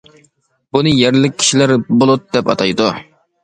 بۇنى يەرلىك كىشىلەر «بۇلۇت» دەپ ئاتايدۇ.